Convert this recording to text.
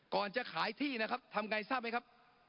ก่อนจะขายที่นะครับทำไงทราบไหมครับ